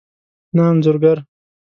نه انځور ګر